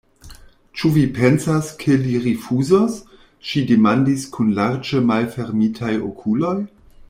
Ĉu vi pensas, ke li rifuzos? ŝi demandis kun larĝe malfermitaj okuloj.